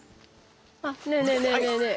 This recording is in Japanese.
あっねえねえねえねえねえ。